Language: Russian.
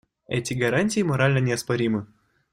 Эти гарантии морально неоспоримы.